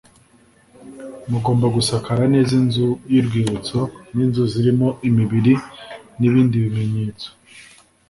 Mugomba gusakara neza inzu y’urwibutso n’inzu zirimo imibiri n’ibindi bimenyetso